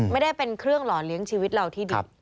ไม่ได้เป็นเครื่องหล่อเลี้ยงชีวิตเราที่ดี